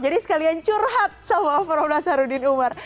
jadi sekalian curhat sama prof nasarudin umar